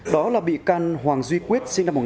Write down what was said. đó là bị can hoàng duy quyết sinh năm một nghìn